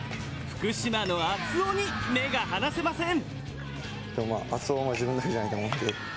福島の熱男に目が離せません！